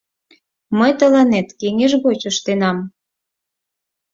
Мый тыланет кеҥеж гоч ыштенам.